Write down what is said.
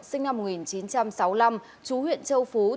sinh năm một nghìn chín trăm sáu mươi năm trú huyện châu ân